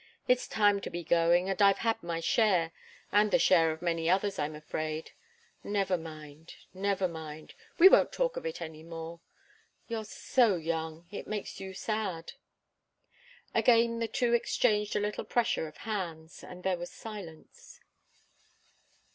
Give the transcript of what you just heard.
It's time to be going, and I've had my share and the share of many others, I'm afraid. Never mind. Never mind we won't talk of it any more. You're so young. It makes you sad." Again the two exchanged a little pressure of hands, and there was silence.